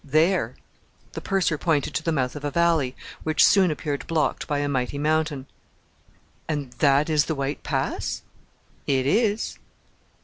"There." The purser pointed to the mouth of a valley, which soon appeared blocked by a mighty mountain. "And that is the White Pass?" "It is."